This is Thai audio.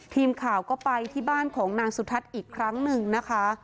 ทีมข่าวก็ไปที่บ้านของนางสุทัศน์อีกครั้งหนึ่งนะคะ